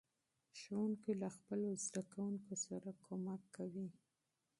ښوونکی له خپلو شاګردانو سره مرسته کوي.